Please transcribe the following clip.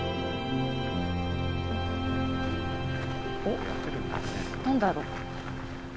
おっ何だろう？